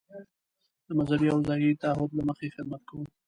د مذهبي او ځايي تعهد له مخې خدمت کوو.